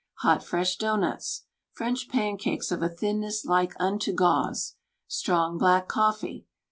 Hot fresh doughnuts. French pancakes of a thinness like unto gauze. Strong black cofFee.